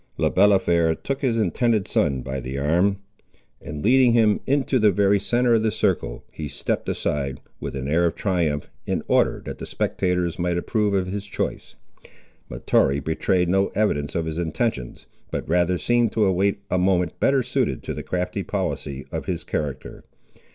Le Balafré took his intended son by the arm, and leading him into the very centre of the circle, he stepped aside with an air of triumph, in order that the spectators might approve of his choice. Mahtoree betrayed no evidence of his intentions, but rather seemed to await a moment better suited to the crafty policy of his character.